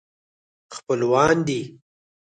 خپلوان دي.